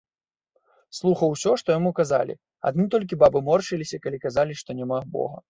Слухаў усё, што яму казалі, адны толькі бабы моршчыліся, калі казалі, што няма бога.